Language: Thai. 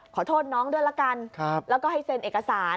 ขอโทษน้องด้วยละกันแล้วก็ให้เซ็นเอกสาร